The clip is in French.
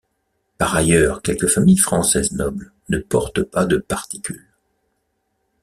Par ailleurs, quelques familles françaises nobles ne portent pas de particule.